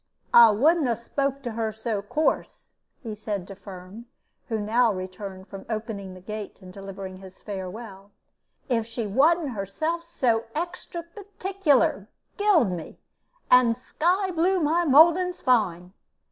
"I wouldn't 'a spoke to her so course," he said to Firm, who now returned from opening the gate and delivering his farewell, "if she wasn't herself so extra particular, gild me, and sky blue my mouldings fine.